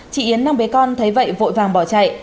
chị yến năng bé con thấy vậy vội vàng bỏ chạy